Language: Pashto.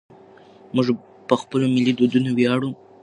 موږ په خپلو ملي دودونو ویاړو.